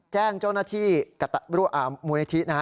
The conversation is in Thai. แจ้งเจ้าหน้าที่มูลนาทีนะฮะ